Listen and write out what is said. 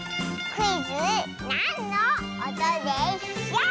クイズ「なんのおとでショウ！」。